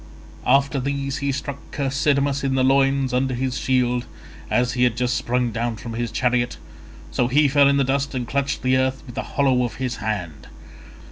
After these he struck Chersidamas in the loins under his shield as he had just sprung down from his chariot; so he fell in the dust and clutched the earth in the hollow of his hand.